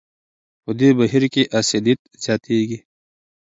په دې بهیر کې اسیدیت زیاتېږي.